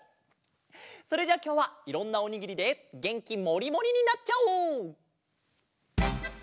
それじゃあきょうはいろんなおにぎりでげんきもりもりになっちゃおう！